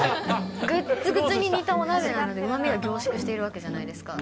ぐっつぐつに煮たお鍋なので、うまみが凝縮しているわけじゃないですか。